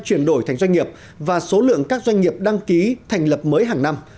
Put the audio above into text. chuyển đổi thành doanh nghiệp và số lượng các doanh nghiệp đăng ký thành lập mới hàng năm